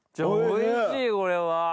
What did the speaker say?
おいしいこれは。